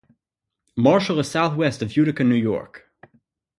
Marshall is southwest of Utica, New York.